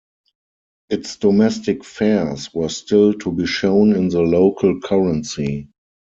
Its domestic fares were still to be shown in the local currency.